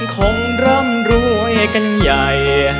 คงร่ำรวยกันใหญ่